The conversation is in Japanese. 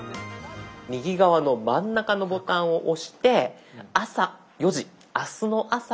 右側の真ん中のボタンを押して「朝４時明日の朝４時に起こして」。